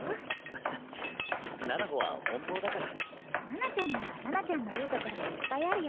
ははっ七菜穂は奔放だから。七菜ちゃんには七菜ちゃんのいいところがいっぱいあるよ。